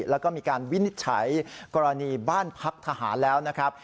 แล้วก็มีการวินิจฉัยกรณีบ้านพักทหารแล้วนะครับ